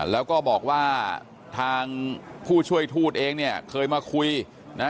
แล้วก็บอกว่าทางผู้ช่วยทูตเองเนี่ยเคยมาคุยนะ